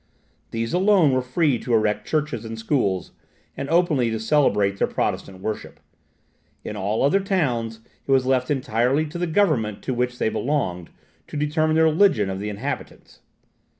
These alone were free to erect churches and schools, and openly to celebrate their Protestant worship; in all other towns, it was left entirely to the government to which they belonged, to determine the religion of the inhabitants.